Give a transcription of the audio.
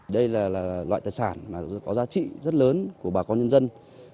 đây là loại tài sản có giá trị rất lớn của bà con nhân dân